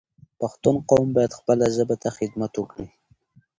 پښتون قوم باید خپله ژبه ته خدمت وکړی